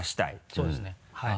そうですねはい。